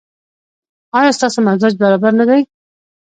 ایا ستاسو مزاج برابر نه دی؟